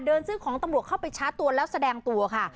ซื้อของตำรวจเข้าไปชาร์จตัวแล้วแสดงตัวค่ะ